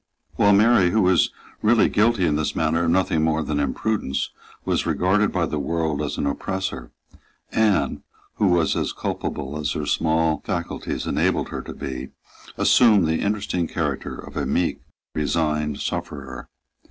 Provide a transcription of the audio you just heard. While Mary, who was really guilty in this matter of nothing more than imprudence, was regarded by the world as an oppressor, Anne, who was as culpable as her small faculties enabled her to be, assumed the interesting character of a meek, resigned sufferer.